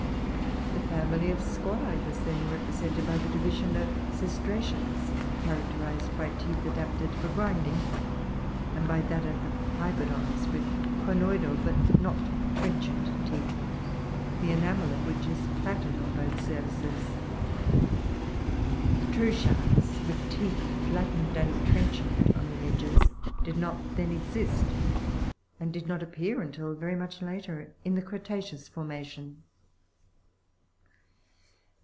The family of squalae was then represented by the division of cestra' dons, characterized by teeth adapted for grinding, (yz^.52); and by that of the hybodons, with conoidal but not tren chant teeth, the ena mel of which is plaited on both surfaces (Jig. 53). The true sharks, Fig. 50. Tooth of the w i t h teet h flattened Megalichthys Hibberti. and trenchar>t on tne edges, (Jig. 54), did not then exist, and did not appear until very much later in the creta'ceous formation.